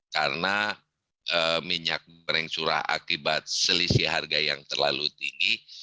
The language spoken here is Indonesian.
karena minyak goreng curah akibat selisih harga yang terlalu tinggi